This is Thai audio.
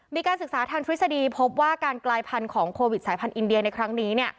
มีการศึกษาทางทฤษฎีพบว่าการกลายพันธุ์ของโควิดสายพันธุอินเดียในครั้งนี้